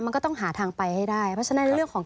มันก็ต้องหาทางไปให้ได้เพราะฉะนั้นเรื่องของ